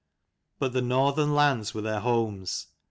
But the Northern lands were their homes.